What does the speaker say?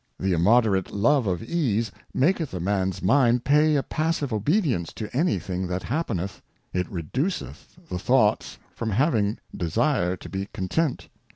The immoderate Love of Ease maketh a Man's . Mind pay a passive Obedience to any thing that happeneth : It reduceth the Thoughts from having Desire to be content.